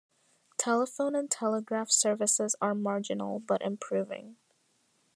Telephone and telegraph services are marginal, but improving.